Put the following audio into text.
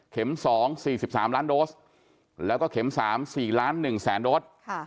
เข็มสองสี่สิบสามล้านโดสแล้วก็เข็มสามสี่ล้านหนึ่งแสนโดส